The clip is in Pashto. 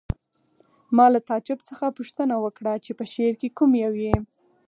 ما له تعجب څخه پوښتنه وکړه چې په شعر کې کوم یو یې